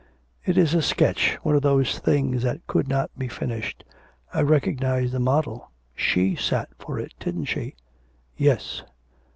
'It is a sketch, one of those things that could not be finished. ... I recognise the model. She sat for it, didn't she?' 'Yes.'